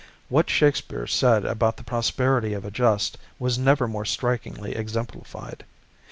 What Shakespeare said about the prosperity of a jest was never more strikingly exemplified.